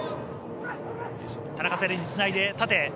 田中世蓮につないで縦へ。